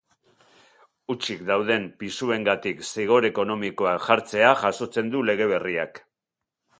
Hutsik dauden pisuengatik zigor ekonomikoak jartzea jasotzen du lege berriak.